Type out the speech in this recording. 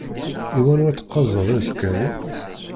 I wanwa teqqazeḍ aẓekka-nni?